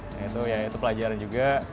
nah itu pelajaran juga